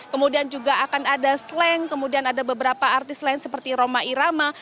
kemudian juga akan ada slang kemudian ada beberapa artis lain seperti roma irama